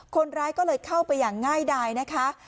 คนร้ายก็เลยเข้าไปอย่างง่ายดายนะคะ